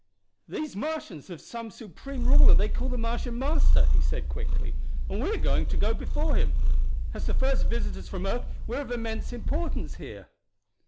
"These Martians have some supreme ruler they call the Martian Master," he said quickly; "and we're to go before him. As the first visitors from earth we're of immense importance here."